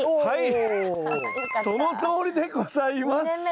はいそのとおりでございます！